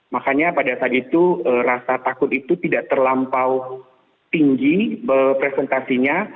makanya pada saat itu rasa takut itu tidak terlampau tinggi presentasinya